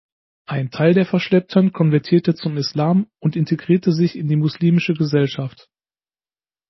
Ein Teil der Verschleppten konvertierte zum Islam und integrierte sich in die muslimische Gesellschaft.